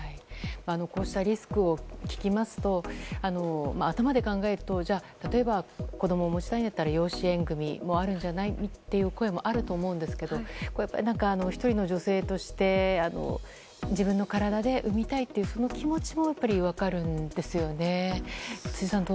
こうしたリスクを聞きますと頭で考えると例えば子どもが欲しいんだったら養子縁組もあるんじゃないっていう声もあると思うんですけど１人の女性として自分の体で産みたいというその気持ちもやっぱり分かるんですよね。